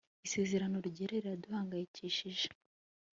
isezerano ryera riraduhangayikishije